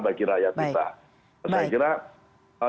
bagi rakyat kita saya kira